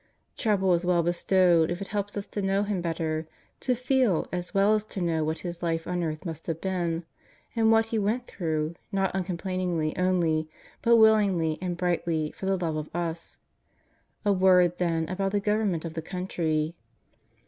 Trouble is well bestowed if it helps us to know Him better, to feel as well as to know what His life on earth must have been, and what He went through, not uncomplainingly only, but willingly and brightly for the love of us. A word, then, about the government of the country.